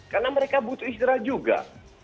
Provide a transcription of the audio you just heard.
karena mereka butuh istirahat juga